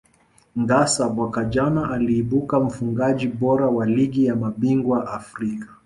Ngassa mwaka jana aliibuka mfungaji bora wa Ligi ya mabingwa Afrika